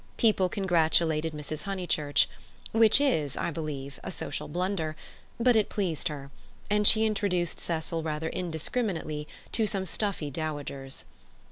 People congratulated Mrs. Honeychurch, which is, I believe, a social blunder, but it pleased her, and she introduced Cecil rather indiscriminately to some stuffy dowagers.